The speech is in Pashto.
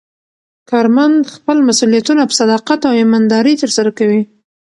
کارمند خپل مسوولیتونه په صداقت او ایماندارۍ ترسره کوي